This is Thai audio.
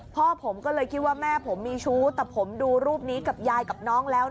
พ่อผมก็เลยคิดว่าแม่ผมมีชู้แต่ผมดูรูปนี้กับยายกับน้องแล้ว